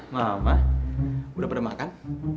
mama udah pada makan